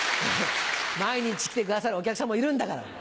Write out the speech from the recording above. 毎日来てくださるお客さんもいるんだから。